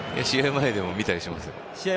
前でも見たりしますよ